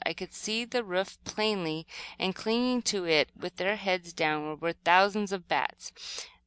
I could see the roof plainly, and clinging to it, with their heads downward, were thousands of bats.